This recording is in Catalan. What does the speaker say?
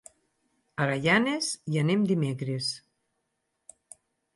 A Gaianes hi anem dimecres.